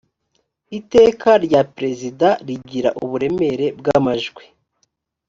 iteka rya perezida rigira uburemere bw amajwi